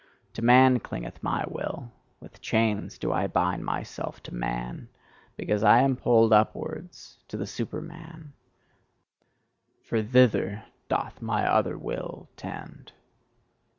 To man clingeth my will; with chains do I bind myself to man, because I am pulled upwards to the Superman: for thither doth mine other will tend.